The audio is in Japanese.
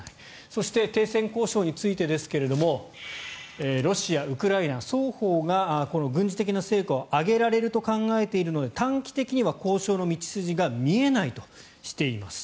そして、停戦交渉についてですがロシア、ウクライナ双方が軍事的な成果を上げられると考えているので短期的には交渉の道筋が見えないとしています。